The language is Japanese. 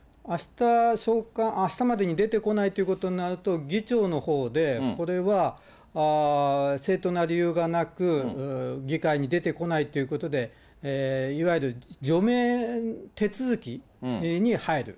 あしたまでに出てこないということになると、議長のほうで、これは正当な理由がなく、議会に出てこないということで、いわゆる除名手続きに入る。